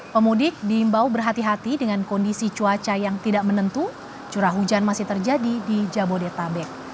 pemudik diimbau berhati hati dengan kondisi cuaca yang tidak menentu curah hujan masih terjadi di jabodetabek